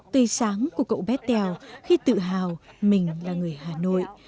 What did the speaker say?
tươi sáng của cậu bé tèo khi tự hào mình là người hà nội